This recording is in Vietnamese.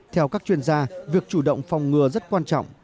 theo các chuyên gia việc chủ động phòng ngừa rất quan trọng